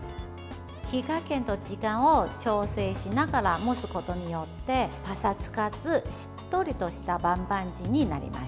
火加減と時間を調整しながら蒸すことによってパサつかず、しっとりとしたバンバンジーになります。